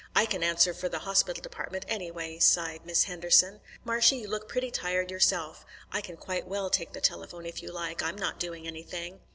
I can answer for the Hospital Department, anyway," sighed Miss Henderson. "Marshy, you look pretty tired yourself. I can quite well take the telephone if you like. I'm not doing anything."